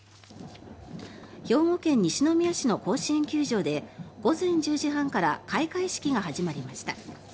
兵庫県西宮市の甲子園球場で午前１０時半から開会式が始まりました。